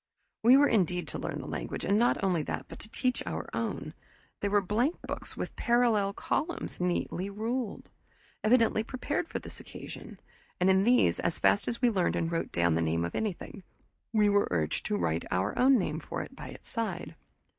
We were indeed to learn the language, and not only that, but to teach our own. There were blank books with parallel columns, neatly ruled, evidently prepared for the occasion, and in these, as fast as we learned and wrote down the name of anything, we were urged to write our own name for it by its side.